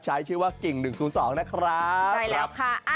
ใช้ชื่อว่ากิ่ง๑๐๒นะครับ